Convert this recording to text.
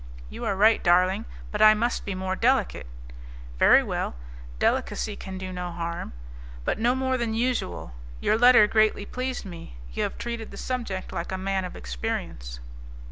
"You are right, darling, but I must be more delicate." "Very well, delicacy can do no harm, but no more than usual. Your letter greatly pleased me, you have treated the subject like a man of experience."